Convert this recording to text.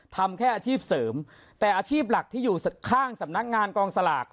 ทำแค่อาชีพเสริมแต่อาชีพหลักที่อยู่ข้างสำนักงานกองสลาก